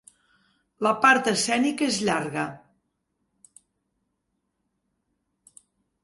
La part escènica és llarga.